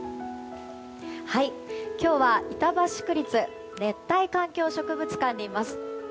今日は板橋区立熱帯環境植物館にいます。